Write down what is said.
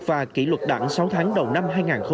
và kỷ luật đảng sáu tháng đầu năm hai nghìn một mươi chín